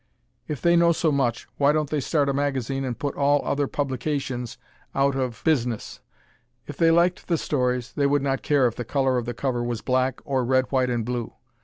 If they know so much why don't they start a magazine and put all other publications out of business? If they liked the stories they would not care if the color of the cover was black or red, white and blue.